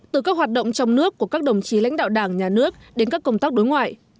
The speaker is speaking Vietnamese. từ các hoạt động trong nước của các đồng chí lãnh đạo đảng nhà nước đến các công tác đối ngoại